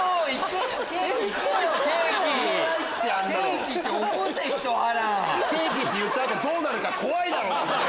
ケーキって言った後どうなるか怖いだろうが！